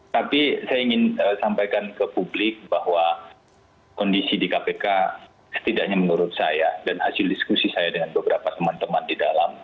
tapi saya ingin sampaikan ke publik bahwa kondisi di kpk setidaknya menurut saya dan hasil diskusi saya dengan beberapa teman teman di dalam